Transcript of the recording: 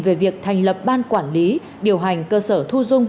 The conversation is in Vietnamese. về việc thành lập ban quản lý điều hành cơ sở thu dung